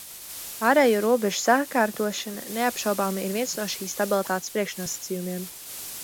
Ārējo robežu sakārtošana, neapšaubāmi, ir viens no šīs stabilitātes priekšnosacījumiem.